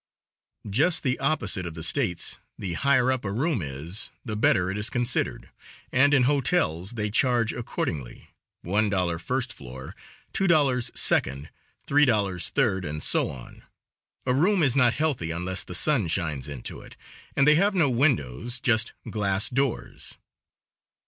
Just the opposite of the States, the higher up a room is the better it is considered, and in hotels they charge accordingly, $1 first floor; $2 second; $3 third; and so on. A room is not healthy unless the sun shines into it; and they have no windows just glass doors.